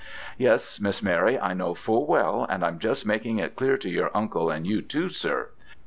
Yes, Miss Mary, I know full well, and I'm just making it clear to your uncle and you too, sir.